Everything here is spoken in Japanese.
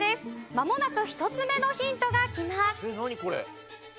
まもなく１つ目のヒントがきます。